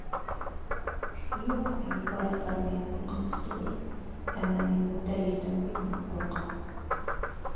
Юҡ, юлбарыҫтар миңә ҡурҡыныс түгел, әммә мин үтә елдән бик ныҡ ҡурҡам.